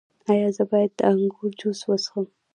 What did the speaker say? ایا زه باید د انګور جوس وڅښم؟